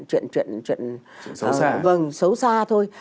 chuyện xấu xa thôi